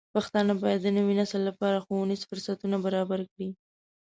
پښتانه بايد د نوي نسل لپاره ښوونیز فرصتونه برابر کړي.